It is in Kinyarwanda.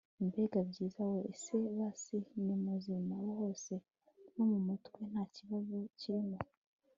mbega byiza we! ese basi nimuzima hose no mumutwe ntakibazo kirimo